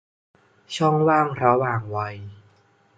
ช่องว่างระหว่างวัย